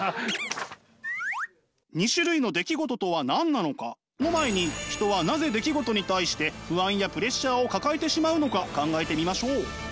２種類の出来事とは何なのかの前に人はなぜ出来事に対して不安やプレッシャーを抱えてしまうのか考えてみましょう。